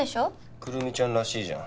くるみちゃんらしいじゃん。